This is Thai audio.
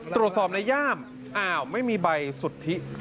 ตรวจสอบในย่ามอ้าวไม่มีใบสุทธิ